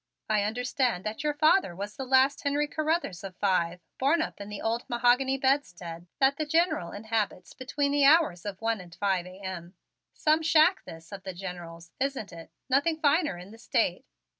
I understand that your father was the last Henry Carruthers of five born up in the old mahogany bedstead that the General inhabits between the hours of one and five A.M. Some shack, this of the General's, isn't it? Nothing finer in the State."